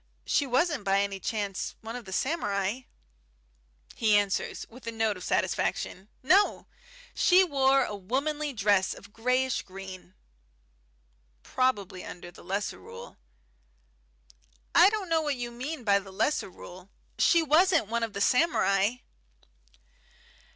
She wasn't by any chance one of the samurai?" He answers, with a note of satisfaction, "No! She wore a womanly dress of greyish green." "Probably under the Lesser Rule." "I don't know what you mean by the Lesser Rule. She wasn't one of the samurai."